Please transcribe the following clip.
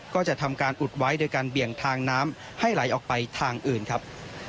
ก็จะทำการอุดไว้โดยการเบี่ยงทางน้ำให้ไหลออกไปทางอื่นครับ